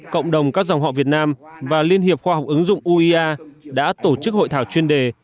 cộng đồng các dòng họ việt nam và liên hiệp khoa học ứng dụng uea đã tổ chức hội thảo chuyên đề